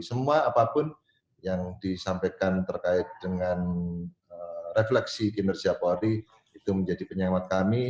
semua apapun yang disampaikan terkait dengan refleksi kinerja polri itu menjadi penyengat kami